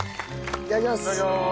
いただきます。